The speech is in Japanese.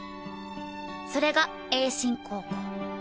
それが栄新高校。